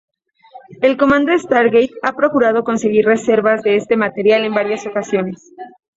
El Comando Stargate ha procurado conseguir reservas de este material en varias ocasiones.